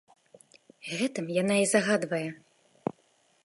Гэтым яна і загадвае.